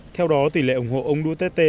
theo đó tỷ lệ ủng hộ ông duterte